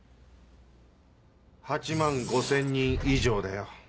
８万５０００人以上だよ。